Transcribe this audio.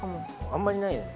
あんまりないよね。